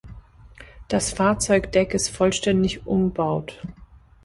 Das Fahrzeugdeck ist vollständig umbaut.